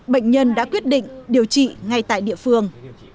bệnh nhân đã quyết định điều trị ngay tại địa phương